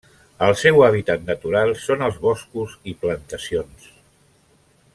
El seu hàbitat natural són els boscos i plantacions.